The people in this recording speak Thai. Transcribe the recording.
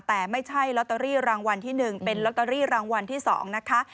แต่ไม่ใช่ลอตเตอรี่รางวัลที่๑เป็นลอตเตอรี่รางวัลที่๒นะคะ